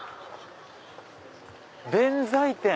弁財天！